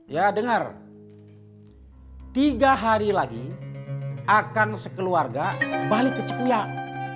ya dengar tiga hari lagi akan sekeluarga balik ke cikuak